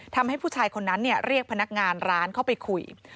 ทำให้ผู้ชายคนนั้นเรียกพนักงานร้านเข้าไปคุย